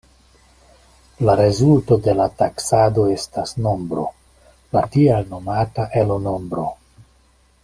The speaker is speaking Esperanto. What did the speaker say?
La rezulto de la taksado estas nombro, la tiel nomata Elo-nombro.